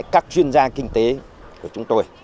các chuyên gia kinh tế của chúng tôi